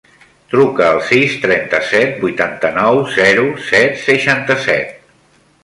Truca al sis, trenta-set, vuitanta-nou, zero, set, seixanta-set.